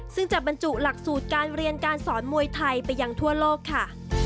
ซึ่งจะบรรจุหลักสูตรการเรียนการสอนมวยไทยไปยังทั่วโลกค่ะ